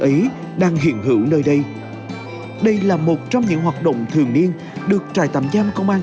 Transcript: ấy đang hiện hữu nơi đây đây là một trong những hoạt động thường niên được chạy tạm giam công an